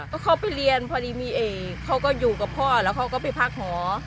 ก็เขาไปเรียนพอดีมีเอกเขาก็อยู่กับพ่อแล้วเขาก็ไปพักหอ